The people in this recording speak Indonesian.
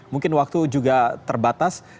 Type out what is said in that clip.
mungkin waktu juga terbatas